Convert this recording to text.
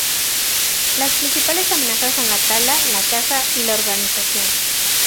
Las principales amenazas son la tala, la caza y la urbanización.